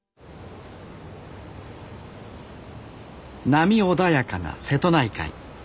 波穏やかな瀬戸内海。